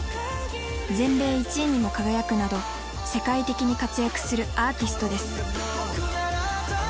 全米１位にも輝くなど世界的に活躍するアーティストです。